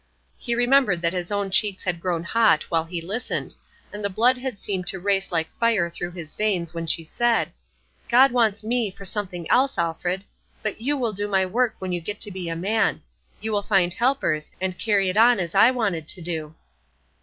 He remembered that his own cheeks had grown hot while he listened, and the blood had seemed to race like fire through his veins when she said, "God wants me for something else, Alfred; but you will do my work when you get to be a man; you will find helpers, and carry it on as I wanted to do."